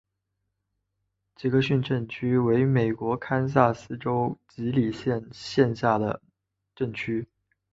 杰克逊镇区为美国堪萨斯州吉里县辖下的镇区。